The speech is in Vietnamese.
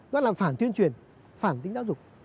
nó làm phản tuyên truyền phản tính giáo dục